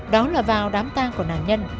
đó là vào đám tang của nạn nhân